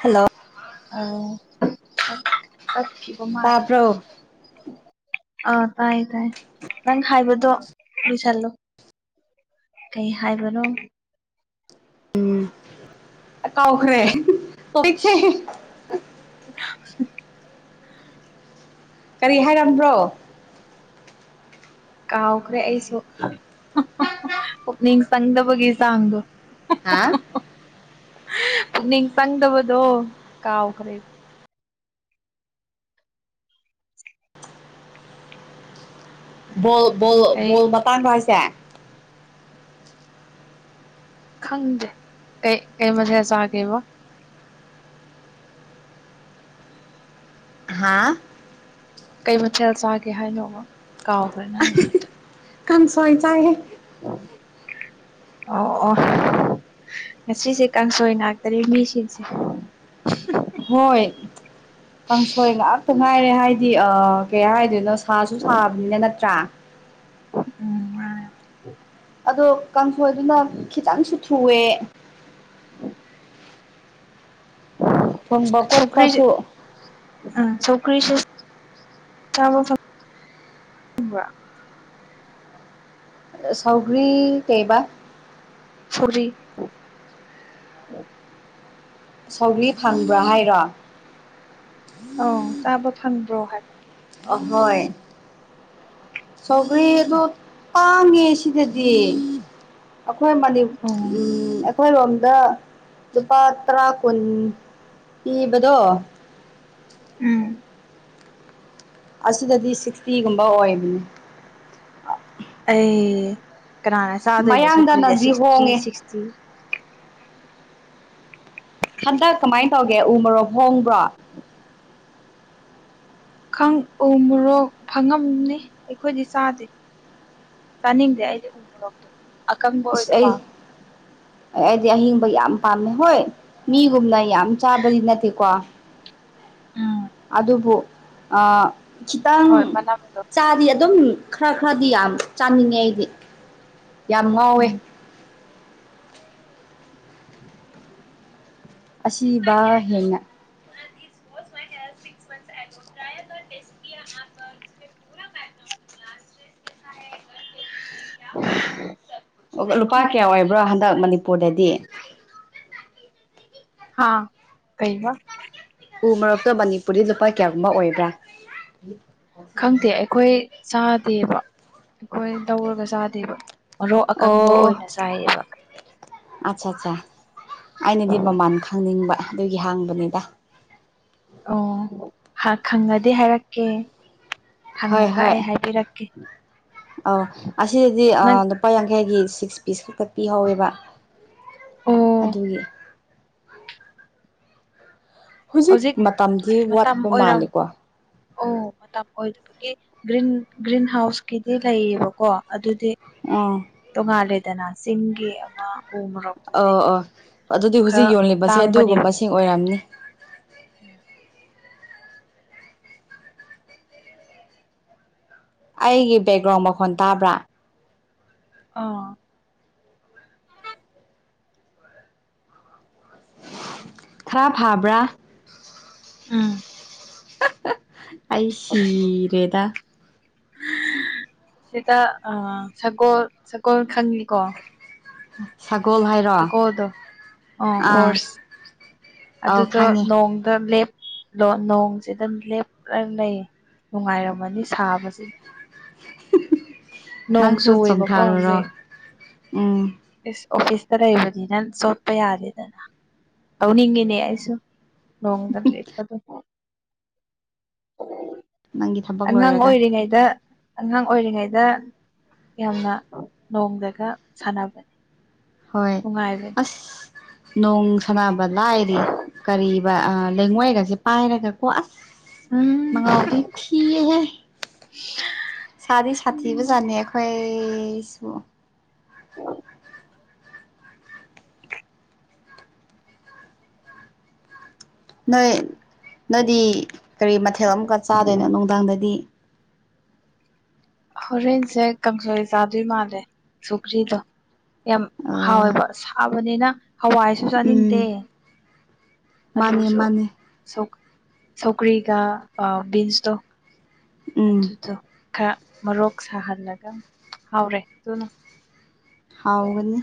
hello ꯑ ꯆꯠꯈꯤꯕ ꯃꯥꯅꯦ ꯇꯥꯕ꯭ꯔꯣ ꯑ ꯇꯥꯏ ꯇꯥꯏ ꯅꯪ ꯍꯥꯏꯕꯗꯣ ꯂꯣꯏꯁꯜꯂꯣ ꯀꯩ ꯍꯥꯏꯕꯅꯣ ꯀꯥꯎꯈ꯭ꯔꯦꯁꯦ ꯀꯔꯤ ꯍꯥꯏꯔꯝꯕ꯭ꯔꯣ ꯀꯥꯎꯈ꯭ꯔꯦ ꯑꯩꯁꯨ ꯄꯨꯛꯅꯤꯡ ꯆꯪꯗꯕꯒꯤ ꯆꯥꯡꯗꯣ ꯍꯥ ꯅꯤꯡ ꯆꯪꯗꯕꯗꯣ ꯀꯥꯎꯈ꯭ꯔꯦ ꯣꯜ ꯑꯩ ꯕꯣꯜ ꯃꯇꯥꯡ ꯍꯥꯏꯁꯦ ꯈꯪꯗꯦ ꯀꯩ ꯀꯩ ꯃꯊꯦꯜ ꯆꯥꯒꯦꯕꯣ ꯍꯥꯥ ꯀꯩ ꯃꯊꯦꯜ ꯆꯥꯒꯦ ꯍꯥꯏꯅꯣ ꯑꯃ ꯀꯥꯎꯈ꯭ꯔꯦ ꯅꯪꯅ ꯍꯥꯏꯗ ꯀꯟꯁ ꯋꯥꯏ ꯆ ꯍ ꯑꯣ ꯑꯣ [inaudible] ꯉꯁꯤꯁꯦ ꯀꯥꯡꯁꯣꯏ ꯉꯥꯛꯇꯅꯤ ꯃꯤꯁꯤꯡꯁꯦ ꯍꯣꯏ ꯀꯥꯡꯁꯣꯏ ꯉꯥꯛꯇ ꯉꯥꯏꯔꯦ ꯍꯥꯏꯗꯤ ꯑ ꯀꯩ ꯍꯥꯏꯗꯣꯏꯅꯣ ꯁꯥꯁꯨ ꯁꯥꯕꯅꯤꯅ ꯅꯠꯇ꯭ꯔꯥ ꯎꯝ ꯑꯗꯣ ꯀꯥꯡꯈꯣꯏꯗꯨꯅ ꯈꯤꯇꯪꯁꯨ ꯊꯨꯑꯦ ꯊꯣꯡꯕ ꯔꯤ ꯈꯣꯠꯄꯁꯨ ꯑ [unintelligible] [inaudible] ꯀ꯭ꯔꯤꯁ ꯆꯥꯕ ꯐꯪ ꯆꯧꯒ꯭ꯔꯤ ꯀꯩꯕꯥ ꯐꯔꯤ ꯁꯧꯒꯔꯤ ꯐꯪꯕ꯭ꯔꯥ ꯍꯥꯏꯔꯣ ꯑꯪ ꯆꯥꯕ ꯐꯪꯕ꯭ꯔꯣ ꯍꯥꯏꯕ ꯑꯍꯣꯏ ꯁꯒꯦꯗꯣ ꯄꯥꯡꯉꯦ ꯁꯤꯗꯗꯤ ꯑꯩꯈꯣꯏ ꯃꯅꯤ ꯑꯣ ꯑꯩꯈꯣꯏꯔꯣꯝꯗ ꯂꯨꯄꯥ ꯇꯔꯥ ꯀꯨꯟ ꯏꯕꯗꯣ ꯎꯝ ꯑꯁꯤꯗꯗꯤ ꯁꯤꯛꯁꯇꯤꯒꯨꯝꯕ ꯑꯣꯏꯕ ꯑꯩ ꯀꯅꯥꯅ ꯆꯥꯗꯣꯏꯅꯣ ꯁꯧꯀ꯭ꯔꯤꯗ ꯃꯌꯥꯡꯗꯅꯗꯤ ꯁꯤꯛꯁꯇꯤ ꯍꯣꯡꯉꯦ ꯁꯤꯛꯁꯇꯤ ꯍꯟꯗꯛ ꯀꯃꯥꯏꯅ ꯇꯧꯒꯦ ꯎ ꯃꯔꯣꯛ ꯍꯣꯡꯕ꯭ꯔꯣ ꯈꯪ ꯎ ꯃꯣꯔꯣꯛ ꯐꯪꯉꯝꯅꯤ ꯑꯩꯈꯣꯏꯗꯤ ꯆꯥꯗꯦ ꯆꯥꯅꯤꯡꯗꯦ ꯑꯩꯗꯤ ꯎ ꯃꯣꯔꯣꯛꯇꯣ ꯑꯀꯪꯕ ꯏꯁ ꯑꯣꯏꯅ ꯑꯩ ꯄꯥꯝꯃꯦ ꯑꯩꯗꯤ ꯑꯍꯤꯡꯕ ꯌꯥꯝ ꯄꯥꯝꯃꯦ ꯍꯣꯏ ꯃꯤꯒꯨꯝꯅ ꯌꯥꯝ ꯆꯥꯕꯗꯤ ꯅꯠꯇꯦꯀꯣ ꯎꯝ ꯑꯗꯨꯕꯨ ꯑ ꯈꯤꯇꯪ ꯍꯣꯏ ꯃꯅꯝꯗꯣ ꯆꯥꯗꯤ ꯑꯗꯨꯝ ꯈꯔ ꯈꯔꯗꯤ ꯌꯥꯝ ꯆꯥꯅꯤꯡꯉꯦ ꯑꯩꯗꯤ ꯌꯥꯝ ꯉꯥꯎꯋꯦ ꯎꯝ ꯑꯁꯤꯕ ꯍꯦꯟꯅ ꯁꯤꯛꯁꯍꯥꯟꯊ ꯇ꯭ꯔꯥꯏꯦꯁꯄꯤ [inaudible] ꯑꯣ ꯂꯨꯄꯥ ꯀꯌꯥ ꯑꯣꯏꯕ꯭ꯔꯣ ꯍꯟꯗꯛ ꯃꯅꯤꯄꯨꯔꯗꯗꯤ ꯍꯥꯥ ꯀꯩꯕ ꯎ ꯃꯔꯣꯛꯇꯣ ꯃꯅꯤꯄꯨꯔꯗꯤ ꯂꯨꯄꯥ ꯀꯌꯥꯒꯨꯝꯕ ꯑꯣꯏꯕ꯭ꯔꯥ ꯈꯪꯗꯦ ꯑꯩꯈꯣꯏ ꯆꯥꯗꯦꯕ ꯑꯩꯈꯣꯏ ꯇꯧꯔꯒ ꯆꯥꯗꯦꯕ ꯃꯔꯣꯛ ꯑꯀꯪꯕ ꯑꯣ ꯑꯣꯏꯅ ꯆꯥꯏꯌꯦꯕ ꯑꯠꯆꯥ ꯑꯠꯆꯥꯆꯥ ꯑꯩꯅꯗꯤ ꯃꯃꯥꯟ ꯈꯪꯅꯤꯡꯕ ꯑꯗꯨꯒꯤ ꯍꯥꯡꯕꯅꯤꯗ ꯑꯣ ꯈꯪꯉꯗꯤ ꯍꯥꯏꯔꯛꯀꯦ ꯍꯣꯏ ꯍꯪꯉꯒ ꯍꯣꯏ ꯑꯩ ꯍꯥꯏꯕꯤꯔꯛꯀꯦ ꯑꯧ ꯑꯁꯤꯗꯗꯤ ꯅꯪ ꯂꯨꯄꯥ ꯌꯥꯡꯈꯩꯒꯤ ꯁꯤꯛꯁ ꯄꯤꯁ ꯈꯛꯇꯛ ꯄꯤꯍꯧꯋꯦꯕ ꯑꯣ ꯑꯗꯨꯒꯤ ꯍꯧꯖꯤꯛ ꯃꯇꯝꯗꯤ ꯃꯇꯝ ꯋꯥꯠꯄ ꯑꯣꯏꯔꯝ ꯃꯥꯜꯂꯤꯀꯣ ꯑꯣ ꯃꯇꯝ ꯑꯣꯏꯗꯕꯒꯤ ꯒ꯭ꯔꯤꯟ ꯒ꯭ꯔꯤꯟ ꯍꯥꯎꯁꯀꯤꯗꯤ ꯂꯩꯌꯦꯕꯀꯣ ꯑꯗꯨꯗꯤ ꯑꯣ ꯇꯣꯉꯥꯂꯦꯗꯅ ꯆꯤꯡꯒꯤ ꯑꯃ ꯎ ꯃꯔꯣꯛꯇꯨꯗꯤ ꯑꯣ ꯑꯣ ꯑꯗꯨꯗꯤ ꯈꯔ ꯍꯧꯖꯤꯛ ꯌꯣꯜꯂꯤꯕꯁꯦ ꯇꯥꯡꯕꯅꯦꯕ ꯑꯗꯨꯒꯨꯝꯕꯁꯤꯡ ꯑꯣꯏꯔꯝꯅꯤ ꯎꯝ ꯑꯩꯒꯤ ꯕꯦꯛꯒ꯭ꯔꯥꯎꯟ ꯃꯈꯣꯟ ꯇꯥꯕ꯭ꯔꯥ ꯑꯥ ꯈꯔ ꯐꯥꯕ꯭ꯔꯥ ꯎꯝ ꯑꯩ ꯁꯤꯔꯦꯗ ꯁꯤꯗꯥ ꯑꯥ ꯁꯒꯣꯜ ꯁꯒꯣꯜ ꯈꯪꯉꯤꯀꯣ ꯁꯒꯣꯜ ꯍꯥꯏꯔꯣ ꯁꯒꯣꯜꯗꯣ ꯑꯥ ꯑꯧ ꯑꯗꯨꯗꯣ ꯈꯪꯉꯦ ꯅꯣꯡꯗ ꯂꯦꯞ ꯅꯣꯡꯁꯤꯗ ꯂꯦꯞꯂꯒ ꯂꯩ ꯅꯨꯡꯉꯥꯏꯔꯝꯃꯅꯤ ꯁꯥꯕꯁꯤꯗ ꯅꯣꯡ ꯅꯪꯁꯨ ꯆꯨ ꯑꯣꯏꯕꯀꯣ ꯆꯣꯡꯊꯔꯨꯔꯣ ꯎꯝ ꯍꯧꯖꯤꯛꯁ ꯑꯣꯐꯤꯁꯇ ꯂꯩꯕꯅꯤꯅ ꯆꯣꯠꯄ ꯌꯥꯗꯦꯗꯅ ꯇꯧꯅꯤꯡꯉꯤꯅꯦ ꯑꯩꯁꯨ ꯂꯣꯡꯗ ꯂꯦꯞꯄ ꯗꯣꯀꯣ ꯑꯣ ꯅꯪꯒꯤ ꯊꯕꯛ ꯑꯉꯥꯡ ꯂꯣꯏꯔꯒ ꯑꯣꯏꯔꯤꯉꯩꯗ ꯑꯉꯥꯡ ꯑꯣꯏꯔꯤꯉꯩꯗ ꯌꯥꯝꯅ ꯅꯣꯡꯗꯒ ꯁꯥꯟꯅꯕꯅꯤ ꯍꯣꯏ ꯑꯁ ꯅꯣꯡ ꯁꯅꯕ ꯂꯥꯏꯔꯤ ꯀꯔꯤ ꯂꯩꯉꯣꯏꯒꯁꯦ ꯄꯥꯏꯔꯒ ꯀꯣ ꯑꯁ ꯎꯝ ꯃꯉꯥꯎꯗꯤ ꯊꯤꯔꯦꯍꯦ ꯎ ꯁꯗ ꯁꯥꯇꯤꯕꯨꯖꯅꯤ ꯑꯩꯈꯣꯏꯁꯨꯁꯨ ꯅꯣꯏ ꯅꯣꯏꯗꯤ ꯀꯔꯤ ꯃꯊꯦꯜ ꯑꯃꯀ ꯆꯥꯗꯣꯏꯅꯣ ꯅꯨꯡꯗꯥꯡꯗꯗꯤ ꯍꯣꯔꯦꯟꯁꯦ ꯀꯥꯡꯁꯣꯏ ꯆꯥꯗꯣꯏ ꯃꯥꯜꯂꯦ ꯁꯨꯒ꯭ꯔꯤꯗꯣ ꯌꯥꯝ ꯎꯝ ꯍꯥꯎꯋꯦꯕ ꯁꯥꯕꯅꯤꯅ ꯍꯋꯥꯏꯁꯨ ꯆꯥꯅꯤꯡꯗꯦ ꯃꯥꯅꯦ ꯑꯂꯨꯁꯨ ꯃꯥꯅꯦ ꯁꯣꯀꯔꯤꯀꯥ ꯕꯤꯟꯁ ꯇꯣ ꯎꯝ ꯑꯗꯨꯗꯣ ꯈꯔ ꯃꯔꯣꯛ ꯁꯥꯍꯜꯂꯒ ꯍꯥꯎꯔꯦ ꯑꯗꯨꯨꯅ ꯍꯥꯎꯒꯅꯤ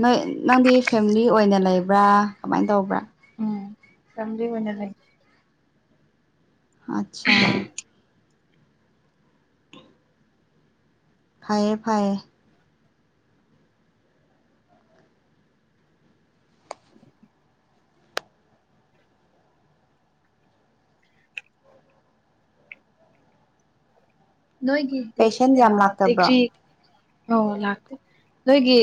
ꯅꯣꯏ ꯅꯪꯗꯤ ꯐꯦꯃꯤꯂꯤ ꯑꯣꯏꯅ ꯂꯩꯕ꯭ꯔꯥ ꯀꯃꯥꯏꯅ ꯇꯧꯕ꯭ꯔꯥ ꯎꯝ ꯐꯦꯃꯤꯂꯤ ꯑꫭꯏꯅ ꯂꯩ ꯑꯆꯥꯆꯥ ꯐꯩꯌꯦ ꯐꯩꯌꯦ ꯅꯣꯏꯒꯗꯤ ꯄꯦꯁꯦꯟ ꯌꯥꯝ ꯑꯥ ꯂꯥꯛꯇꯕ꯭ꯔꯣ ꯇꯗꯤꯒ꯭ꯔꯤ ꯑꯣ ꯂꯥꯛꯇꯦ ꯅꯣꯏꯒꯤ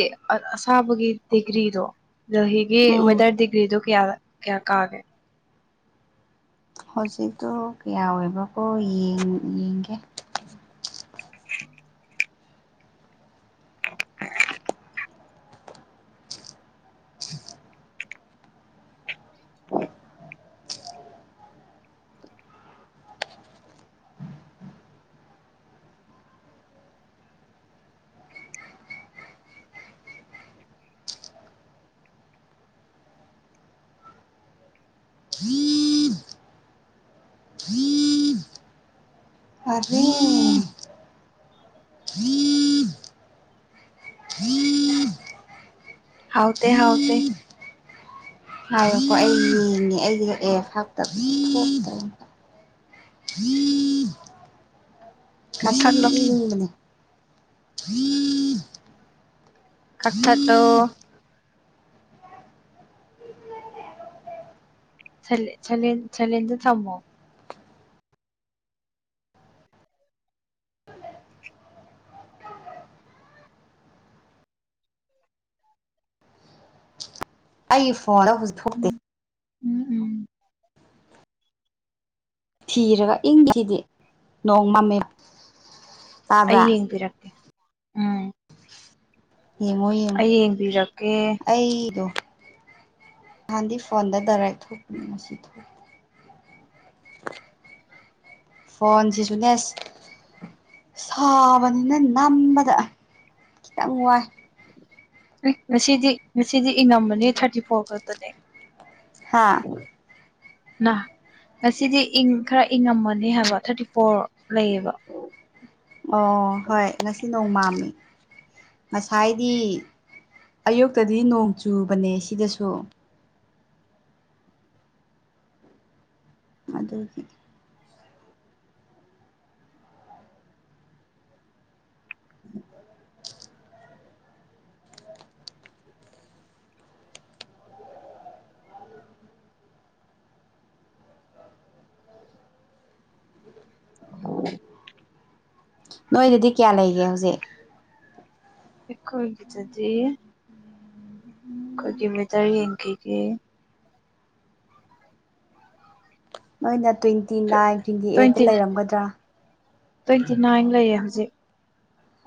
ꯑꯁꯥꯕꯒꯤ ꯗꯤꯒ꯭ꯔꯤꯗꯣ ꯗꯣꯍꯤꯒꯤ ꯎꯝ ꯋꯦꯗꯔ ꯗꯤꯒ꯭ꯔꯤꯗꯨ ꯀꯌꯥ ꯀꯌꯥ ꯀꯥꯒꯦ ꯍꯧꯖꯤꯛꯇꯣ ꯀꯌꯥ ꯑꯣꯏꯕꯀꯣ ꯌꯦꯡꯒꯦ [unintelligible] ꯍ ꯑꯗꯦ ꯍꯥꯎ ꯍꯥꯎꯇ ꯍꯥꯏꯀꯣ ꯑꯩ ꯌꯦꯡꯅꯦ ꯑꯩꯒꯤ ꯑꯦꯇꯕ ꯀꯛꯊꯠꯂꯣ [unintelligible] ꯀꯛꯊꯠꯂꫭ ꯆꯂꯗ ꯆꯃꯣ ꯑꯩ ꯐꯣꯔ ꯎꯝ ꯎꯝ ꯎꯝ ꯊꯤꯔꯒ ꯏꯪꯈꯤꯁꯤꯗꯤ ꯅꯣꯡ ꯃꯝꯃꯦ ꯑꯩ ꯇꯥꯕ꯭ꯔꯥ ꯌꯦꯡꯕꯤꯔꯛꯇꯦ ꯎꯝ ꯌꯦꯡꯉꯣ ꯌꯦꯡꯉꯣ ꯑꯩ ꯌꯦꯡꯕꯤꯔꯛꯀꯦ ꯑꯩꯗꯣ ꯑꯗꯤ ꯐꯣꯟꯗ ꯔꯥꯏ ꯊꯣꯛ ꯃꯁꯤꯁꯤ ꯊꯣꯛ [unintelligible] ꯐꯣꯟꯁꯤ ꯁꯨꯅꯦꯁ ꯁꯥꯕꯅꯤꯅ ꯅꯝꯕꯗ ꯈꯤꯇꯪ ꯋꯥꯏ ꯉꯁꯤꯗꯤ ꯉꯁꯤꯗꯤ ꯏꯉꯃꯅꯤ ꯊꯥꯔꯇꯤ ꯐꯣꯔ ꯈꯛꯇꯅꯦ ꯍꯥꯥ [unintelligible] ꯉꯁꯤꯗꯤ ꯏꯪ ꯈꯔ ꯏꯪꯑꯝꯃꯅꯤ ꯍꯥꯏꯕ ꯊꯥꯔꯇꯤ ꯐꯣꯔ ꯂꯩꯌꯦꯕ ꯑꯣ ꯍꯣꯏ ꯉꯁꯤ ꯅꯣꯡꯃꯝꯅꯤ ꯉꯁꯥꯏꯗꯤ ꯑꯌꯨꯛꯇꯗꯤ ꯅꯣꯡ ꯆꯨꯕꯅꯦ ꯁꯤꯗꯁꯨ ꯑꯗ ꯎꯝ [unintelligible] ꯅꯣꯏꯗꯗꯤ ꯀꯌꯥ ꯂꯩꯒꯦ ꯍꯧꯖꯤꯛ ꯑꯩꯣꯏ ꯍꯕꯤ ꯆꯖꯤ ꯑꯩꯈꯣꯏꯒꯤꯃꯤꯇꯔ ꯌꯦꯡꯈꯤꯒꯦ ꯅꯣꯏꯅ ꯇ꯭ꯋꯦꯟꯇꯤ ꯅꯥꯏꯟ ꯇ꯭ꯋꯦꯟꯇꯤ ꯑꯩꯠꯇ ꯂꯩꯔꯝꯒꯗ꯭ꯔꯥ ꯇ꯭ꯋꯦꯟꯇꯤ ꯅꯥꯏꯟ ꯂꯩꯌꯦ ꯍꯧꯖꯤꯛ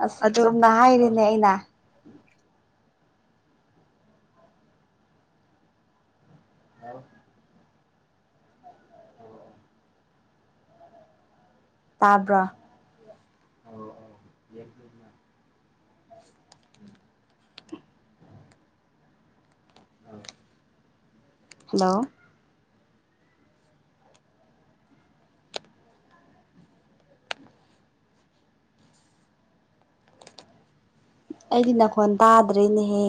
ꯑꯁ ꯑꯗꯣ ꯆꯨꯝꯅ ꯍꯥꯏꯔꯤꯅꯦ ꯑꯩꯅ ꯑ ꯇꯥꯕ꯭ꯔꯥ ꯍꯜꯂꯣ ꯑꯩꯗꯤ ꯅꯥꯈꯣꯟ ꯇꯥꯗ꯭ꯔꯦꯅꯦꯍꯦ